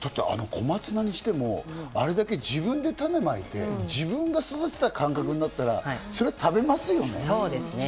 小松菜にしても、あれだけ自分で種まいて、自分で育てた感覚になったら、そりゃ食べますよね。